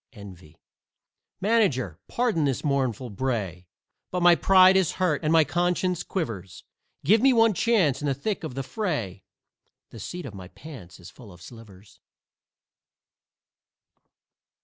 "ENVY" Manager, pardon this mournful bray, But my pride is hurt and my conscience quivers; Give me one chance in the thick of the fray The seat of my pants is full of slivers.